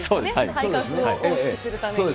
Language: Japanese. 体格を大きくするために。